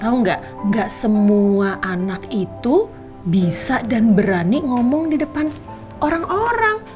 tau gak semua anak itu bisa dan berani ngomong di depan orang orang